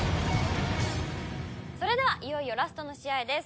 それではいよいよラストの試合です。